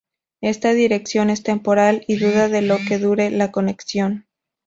Esta dirección es temporal, y dura lo que dure la conexión.